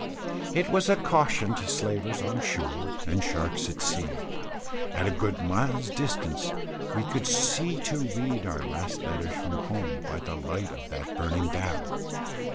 It was a caution to slavers on shore and sharks at sea. At a good mile's distance we could see to read our last letters from home, by the light of that burning dhow.